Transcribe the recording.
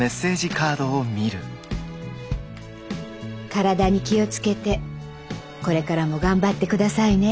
「身体に気をつけてこれからも頑張って下さいね！